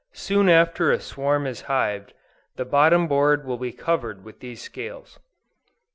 Soon after a swarm is hived, the bottom board will be covered with these scales.